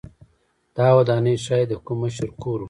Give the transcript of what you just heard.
دا ودانۍ ښايي د کوم مشر کور و.